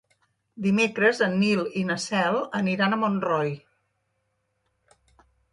Dimecres en Nil i na Cel aniran a Montroi.